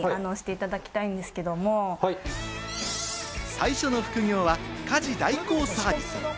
最初の副業は家事代行サービス。